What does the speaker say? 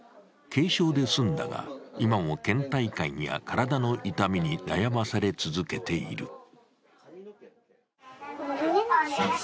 軽症で済んだが、今もけん怠感や体の痛みに悩まされ続けている。